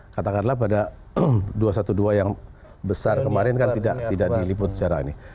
katakanlah pada dua ratus dua belas yang besar kemarin kan tidak diliput secara ini